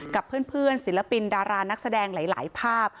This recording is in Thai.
กับเพื่อนศิลปินดารานักแสดงหลายภาพ